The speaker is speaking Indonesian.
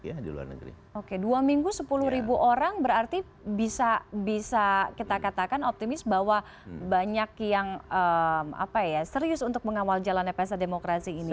ya dua minggu sepuluh ribu orang berarti bisa kita katakan optimis bahwa banyak yang serius untuk mengawal jalannya pesa demokrasi ini